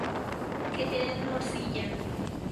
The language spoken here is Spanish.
¡Qué te den morcilla!